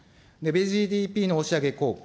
ＧＤＰの押し上げ効果。